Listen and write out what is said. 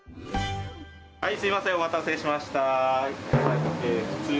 はい、すみません、お待たせしました。